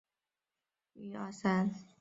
秃剌之子为越王阿剌忒纳失里。